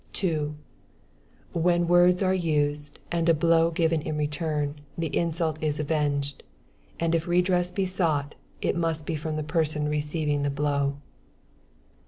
2. When words are used, and a blow given in return, the insult is avenged; and if redress be sought, it must be from the person receiving the blow.